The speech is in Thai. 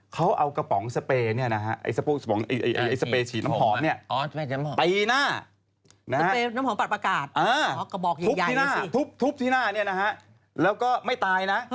เขาเอากระป๋องสเปร์ไอ้สเปร์ฉีดน้ำหอมตีหน้าทุบที่หน้าแล้วก็ไม่ตายนะ